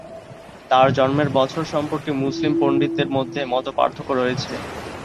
তার জন্মের বছর সম্পর্কে মুসলিম পণ্ডিতদের মধ্যে মতপার্থক্য রয়েছে।